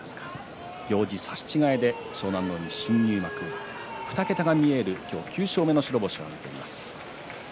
行司差し違えで湘南乃海新入幕２桁が見える今日９勝目の白星を挙げました。